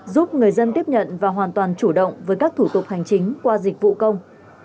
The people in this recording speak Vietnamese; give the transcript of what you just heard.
giúp người dân tiếp nhận và hoàn toàn chủ động với các thủ tục hành chính qua dịch vụ công